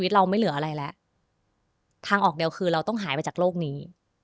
เราต้องหายไปจากโลกนี้